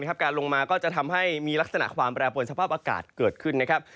แล้วถ้านะรับการลงมาก็จะทำให้มีลักษณะความแปลปนสภาพอากาศเกิดขึ้นนะครับ